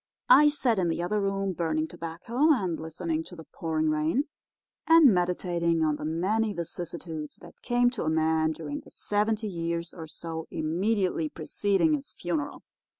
I sat in the other room burning tobacco and listening to the pouring rain and meditating on the many vicissitudes that came to a man during the seventy years or so immediately preceding his funeral.